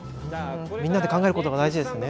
みんなで考えることが大事ですよね。